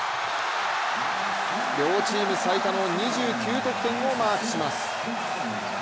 両チーム最多の２９得点をマークします。